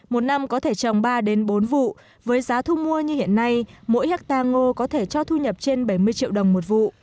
một năm có thể trồng ba đến bốn vụ với giá thu mua như hiện nay mỗi hectare ngô có thể cho thu nhập trên bảy mươi triệu đồng một vụ